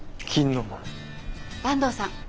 坂東さん